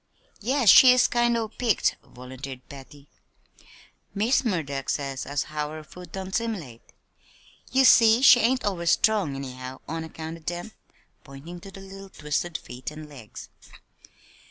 "Yes, she is kind o' peaked," volunteered Patty. "Miss Murdock says as how her food don't 'similate. Ye see she ain't over strong, anyhow, on account o' dem," pointing to the little twisted feet and legs.